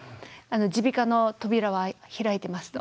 耳鼻科の扉は開いてますと。